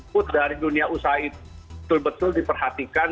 put dari dunia usaha itu betul betul diperhatikan